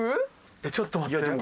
えっちょっと待って。